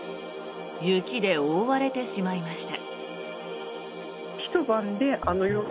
雪で覆われてしまいました。